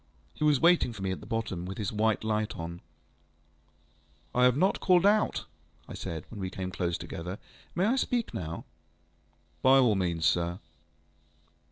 He was waiting for me at the bottom, with his white light on. ŌĆ£I have not called out, ŌĆØ I said, when we came close together; ŌĆ£may I speak now? ŌĆØ ŌĆ£By all means, sir.